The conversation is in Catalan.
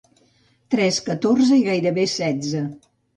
Tres catorze i gairebé setze.